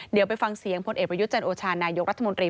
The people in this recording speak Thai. เดี๋ยวไปฟังเสียงพลเอกประยุทธ์จันโอชานายกรัฐมนตรี